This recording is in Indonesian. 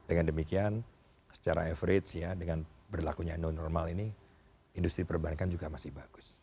dengan demikian secara average ya dengan berlakunya new normal ini industri perbankan juga masih bagus